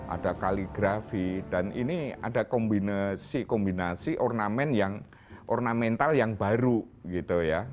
ada kaligrafi dan ini ada kombinasi kombinasi ornamen yang ornamental yang baru gitu ya